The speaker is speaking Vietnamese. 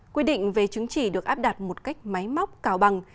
quy định về chứng chỉ được áp đặt một cách máy móc cào bằng